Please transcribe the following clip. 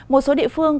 một số địa phương